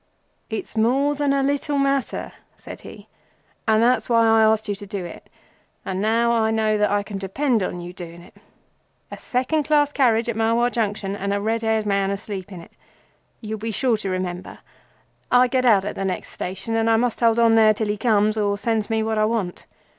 "It's more than a little matter," said he, "and that's why I ask you to do it—and now I know that I can depend on you doing it. A second class carriage at Marwar Junction, and a red haired man asleep in it. You'll be sure to remember. I get out at the next station, and I must hold on there till he comes or sends me what I want."